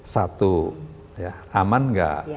satu aman gak